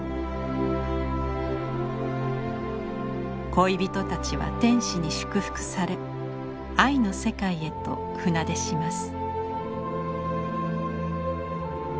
恋人たちは天使に祝福され愛の世界へと船出します。